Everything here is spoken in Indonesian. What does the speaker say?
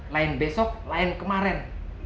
lain besok lain kemarin